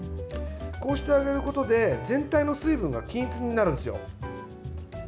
こうしてあげることで全体の水分が均一になるんですよ。